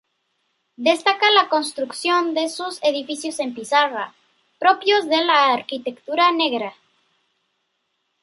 Destaca la construcción de sus edificios en pizarra, propios de la arquitectura negra.